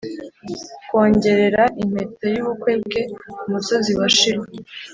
kwongorera impeta y'ubukwe bwe kumusozi wa shiloh